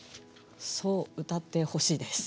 そう歌ってほしいです。